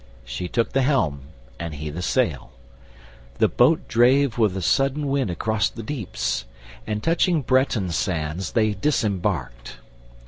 She took the helm and he the sail; the boat Drave with a sudden wind across the deeps, And touching Breton sands, they disembarked.